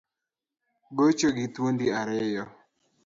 Gocho gi thuondi ariyo